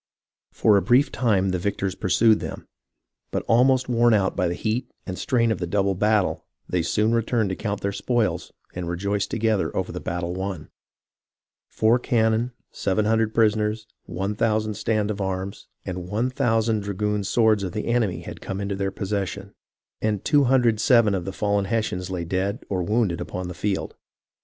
For a brief time the victors pursued them, but almost worn out by the heat and strain of the double battle, they soon returned to count their spoils and to rejoice together over the battle won. Four cannon, 700 prisoners, 1000 stand of arms, and 1000 dragoon swords of the enemy had come into their possession ; and 207 of the fallen Hessians lay dead or wounded upon the field.